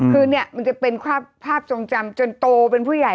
คือเนี่ยมันจะเป็นภาพทรงจำจนโตเป็นผู้ใหญ่